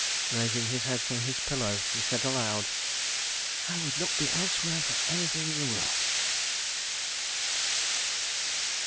... Raising his head from the pillow, he said aloud: "I would not be elsewhere for anything in the world.